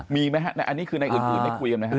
มีไหมอันนี้คือแกไม่คุยกันไหมครับ